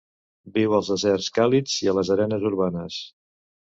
Viu als deserts càlids i a les àrees urbanes.